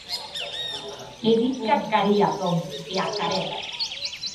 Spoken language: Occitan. È dit qu'ac haria, Tom, e ac harè.